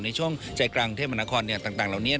ในช่วงใจกลางเทพมนาคอนต่างแล้วนี้